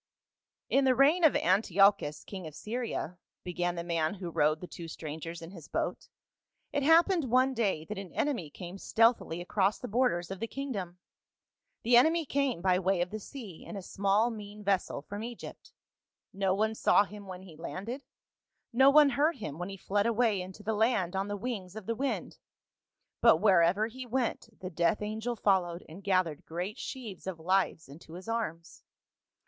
" TN the reign of Antiochus, king of Syria," began I the man who rowed the two strangers in his boat, " it happened one day that an enemy came stealthily across the borders of the kingdom. The enemy came by way of the sea in a small mean ves sel from Egypt. No one saw him when he landed, no one heard him when he fled away into the land on the wings of the wind, but wherever he went the death angel followed and gathered great sheaves of lives into his arms.